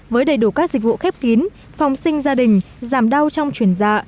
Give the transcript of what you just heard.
với đầy đủ các dịch vụ khép kín phòng sinh gia đình giảm đau trong chuyển dạ